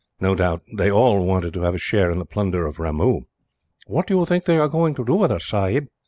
No doubt they all wanted to have a share in the plunder of Ramoo." "What do you think that they are going to do with us, sahib?"